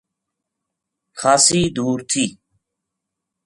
خاصی دور تھی